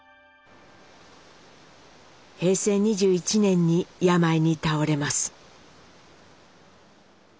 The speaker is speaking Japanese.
平成２１年に病に倒れます。